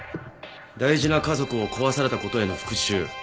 大事な家族を壊された事への復讐。